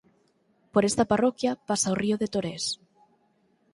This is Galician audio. Por esta parroquia pasa o río de Torés.